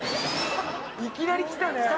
いきなりきたね！